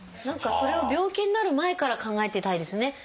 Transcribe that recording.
何かそれを病気になる前から考えていたいですね。